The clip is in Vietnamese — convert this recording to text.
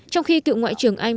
trong khi cựu ngoại trưởng anh